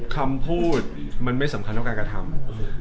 คำพูดมันไม่สำคัญเท่าการกระทำ